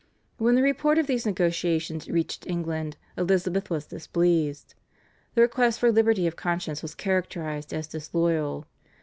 When the report of these negotiations reached England Elizabeth was displeased. The request for liberty of conscience was characterised as "disloyal."